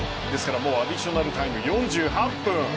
もう、アディショナルタイム４８分。